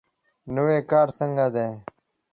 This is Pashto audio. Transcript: نوی کار څنګه دی؟